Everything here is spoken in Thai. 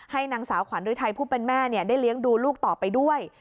ให้หนังสาวขวานด้วยไทยผู้เป็นแม่เนี่ยได้เลี้ยงดูลูกต่อไปด้วย